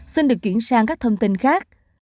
xin được chuyển sang các thông tin khác